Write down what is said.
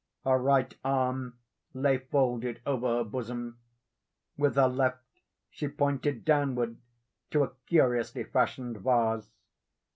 Her right arm lay folded over her bosom. With her left she pointed downward to a curiously fashioned vase.